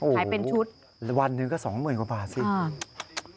ขายเป็นชุดโอ้โฮวันหนึ่งก็๒๐๐๐กว่าบาทสิค่ะค่ะค่ะค่ะ